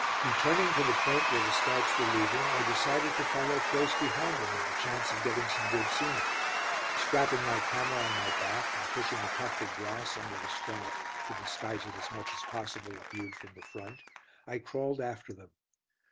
Returning to the point where the scouts were leaving, I decided to follow close behind them, on the chance of getting some good scenes. Strapping my camera on my back, and pushing a tuft of grass under the strap, to disguise it as much as possible if viewed from the front, I crawled after them.